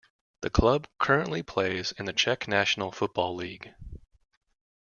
The club currently plays in the Czech National Football League.